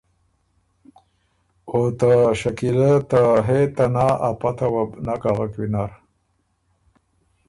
او ته شکیله ته ”هې ته نا“ ا پته وه بو نک اغک وینر۔